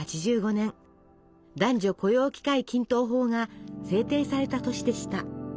男女雇用機会均等法が制定された年でした。